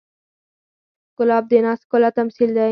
ګلاب د ناز ښکلا تمثیل دی.